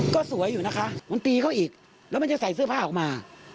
ก็สวยอยู่นะคะมันตีเขาอีกแล้วมันจะใส่เสื้อผ้าออกมา